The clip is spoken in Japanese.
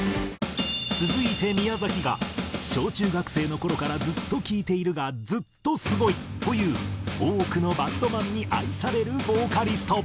続いて宮崎が小中学生の頃からずっと聴いているがずっとスゴいという多くのバンドマンに愛されるボーカリスト。